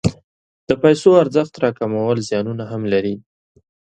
د پیسو ارزښت راکمول زیانونه هم لري.